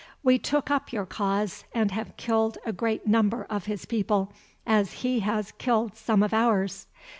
We took up your cause, and have killed a great number of his people, as he has killed some of ours.